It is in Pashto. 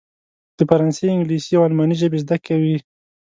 د فرانسې، انګلیسي او الماني ژبې زده کوي.